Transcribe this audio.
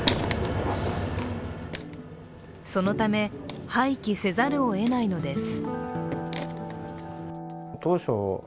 そのため、廃棄せざるをえないのです。